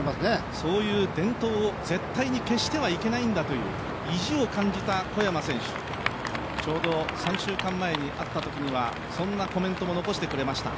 そういう伝統を絶対に消してはいけないんだという意地を感じた小山選手、ちょうど３週間前に会ったときにはそんなコメントも残してくれました。